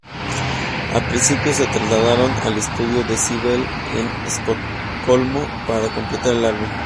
A principios de se trasladaron al estudio Decibel, en Estocolmo, para completar el álbum.